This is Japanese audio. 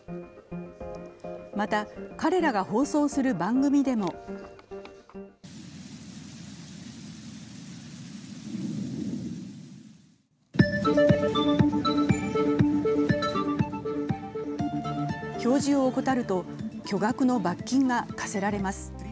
また、彼らが放送する番組でも表示を怠ると巨額の罰金が科せられます。